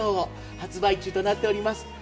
発売中となっております。